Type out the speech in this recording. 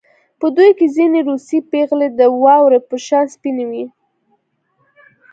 په دوی کې ځینې روسۍ پېغلې د واورې په شان سپینې وې